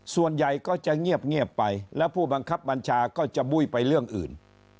ส่วนใหญ่ก็จะเงียบไปแล้วผู้บังคับบัญชาก็จะบุ้ยไปเรื่องอื่น